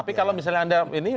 tapi kalau misalnya anda ini